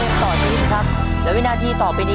โปรดติดตามตอนต่อไป